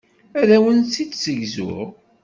Ad awent-t-id-ssegzuɣ.